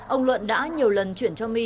ông luận đã nhiều lần chuyển cho my